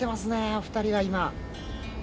お２人が今。